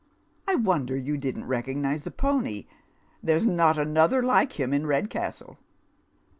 I wonder you didn't recognise the pony ; there's not another like him in Redcastle."